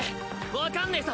わかんねえさ。